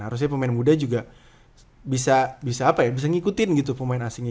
harusnya pemain muda juga bisa ngikutin gitu pemain asingnya